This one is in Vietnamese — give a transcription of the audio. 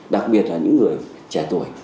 đặc biệt là những người trẻ tuổi